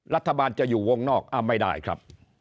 รัฐบาลจะอยู่วงนอกไม่ได้ครับ